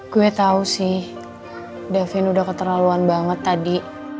gue tau sih davin udah keterlaluan banget tadi